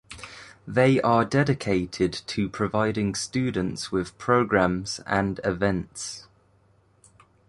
They are dedicated to providing students with programmes and events.